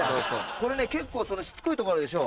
これね結構しつこいとこあるでしょ